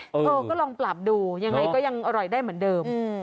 เออก็ลองปรับดูยังไงก็ยังอร่อยได้เหมือนเดิม